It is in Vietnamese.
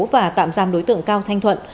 và tạm giam đối tượng cao thanh thuận